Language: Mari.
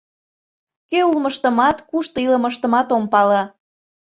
Кӧ улмыштымат, кушто илымыштымат ом пале.